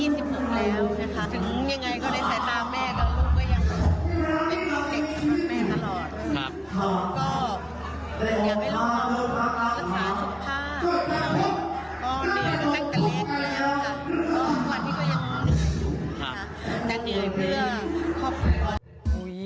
เผื่อครอบครัว